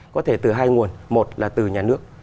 có thể từ hai nguồn một là từ nhà nước